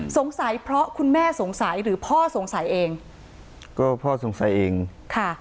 สงสัยเพราะคุณแม่สงสัยหรือพ่อสงสัยเองก็พ่อสงสัยเองค่ะ